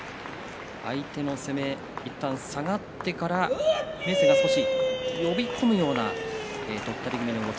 相手の攻めいったん下がってから明生が呼び込むようなとったり気味の動き